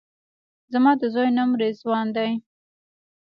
زما د زوی نوم رضوان دی